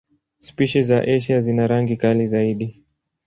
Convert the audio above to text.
Spishi za Asia zina rangi kali zaidi.